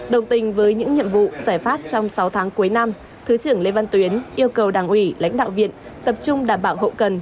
đồng tình với những nhiệm vụ giải pháp trong sáu tháng cuối năm thứ trưởng lê văn tuyến yêu cầu đảng ủy lãnh đạo viện tập trung đảm bảo hậu cần